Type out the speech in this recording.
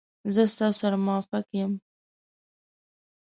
زه ستاسو سره موافق یم.